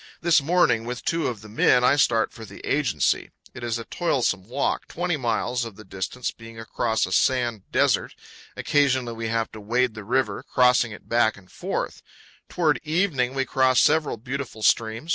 This morning, with two of the men, I start for the agency. It is a toilsome walk, 20 miles of the distance being across a sand desert. Occasionally we have to wade the river, crossing it back and forth. Toward evening we cross several beautiful streams, powell canyons 124.